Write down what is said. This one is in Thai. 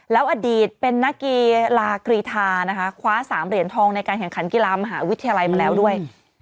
แล้วอดีตเป็นนักกีฬากรีธานะคะคว้า๓เหรียญทองในการแข่งขันกีฬามหาวิทยาลัยมาแล้วด้วย